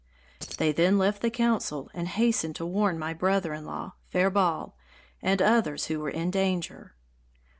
They then left the council and hastened to warn my brother in law, Faribault, and others who were in danger.